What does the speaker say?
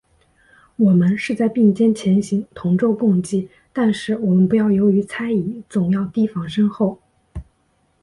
我们是在并肩前行，同舟共济，但是我们不要由于猜疑，总要提防身后。